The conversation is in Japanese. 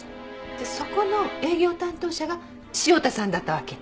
そこの営業担当者が汐田さんだったわけ？